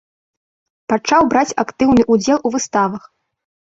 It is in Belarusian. Пачаў браць актыўны ўдзел у выставах.